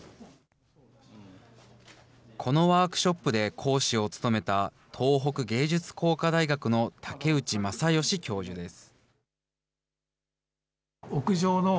このワークショップで講師を務めた東北芸術工科大学の竹内昌義教授です。